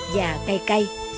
và cay cay